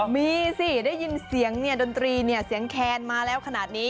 มีสิได้ยินเสียงดนตรีเนี่ยเสียงแคนมาแล้วขนาดนี้